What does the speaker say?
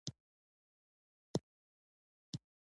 غرونه زموږ د وطن ښکلي زېورات دي.